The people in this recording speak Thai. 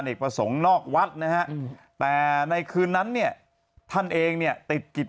ประสงค์นอกวัดนะฮะแต่ในคืนนั้นเนี่ยท่านเองเนี่ยติดกิจ